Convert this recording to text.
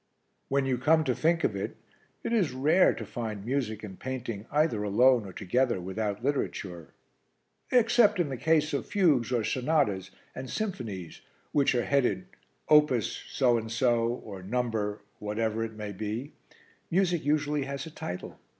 When you come to think of it, it is rare to find music and painting either alone or together without literature. Except in the case of fugues or sonatas and symphonies, which are headed 'Op. ' so and so, or 'No. ' whatever it may be, music usually has a title.